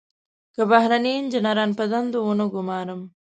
که بهرني انجنیران په دندو ونه ګمارم.